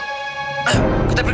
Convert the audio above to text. tidak ada suara